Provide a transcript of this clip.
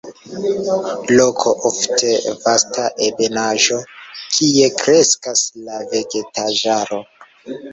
Loko, ofte vasta ebenaĵo, kie kreskas la vegetaĵaro.